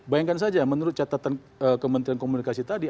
bayangkan saja menurut catatan kementerian komunikasi tadi